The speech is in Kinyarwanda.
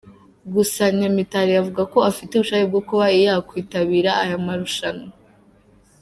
Gusa Nyamitari avuga ko afite ubushake bwo kuba yakwitabira aya marushanwa.